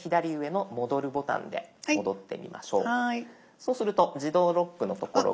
そうすると「自動ロック」の所が。